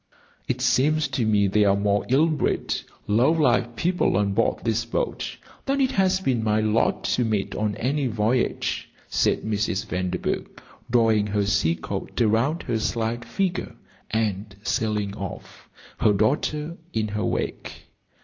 "It seems to me there are more ill bred, low lived people on board this boat than it has been my lot to meet on any voyage," said Mrs. Vanderburgh, drawing her sea coat around her slight figure and sailing off, her daughter in her wake.